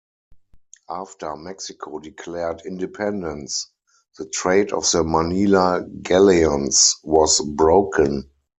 After Mexico declared independence, the trade of the Manila Galleons was broken.